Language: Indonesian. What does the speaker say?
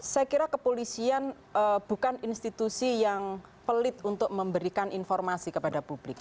saya kira kepolisian bukan institusi yang pelit untuk memberikan informasi kepada publik